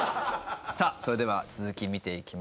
さあそれでは続き見ていきましょう。